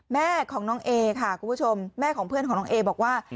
แม่ของน้องเอค่ะคุณผู้ชมแม่ของเพื่อนของน้องเอบอกว่า